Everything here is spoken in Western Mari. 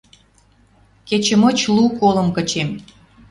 Кечӹ мыч лу колым кычем